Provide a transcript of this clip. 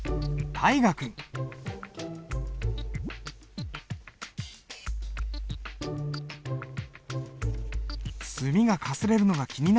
墨がかすれるのが気になるようだ。